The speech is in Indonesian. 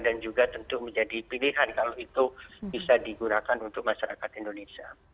dan juga tentu menjadi pilihan kalau itu bisa digunakan untuk masyarakat indonesia